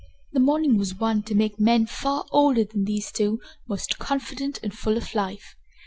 The morning was one to make men far older than these two most confident and full of life.